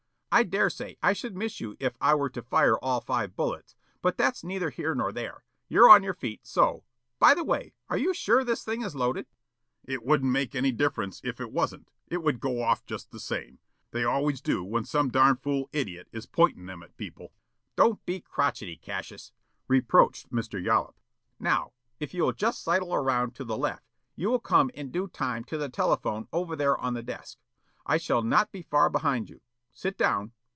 "I dare say I should miss you if I were to fire all five bullets, but that's neither here nor there. You're on your feet, so by the way, are you sure this thing is loaded?" "It wouldn't make any difference if it wasn't. It would go off just the same. They always do when some darn fool idiot is pointin' them at people." "Don't be crotchetty, Cassius," reproached Mr. Yollop. "Now, if you will just sidle around to the left you will come in due time to the telephone over there on that desk. I shall not be far behind you. Sit down.